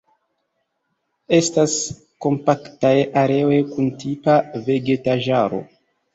Estas kompaktaj areoj kun tipa vegetaĵaro.